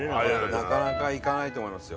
なかなか行かないと思いますよ